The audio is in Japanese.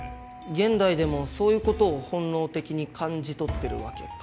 現代でもそういうことを本能的に感じ取ってるわけか。